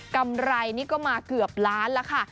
กำไรนี่ก็มาเกือบล้านแล้วค่ะ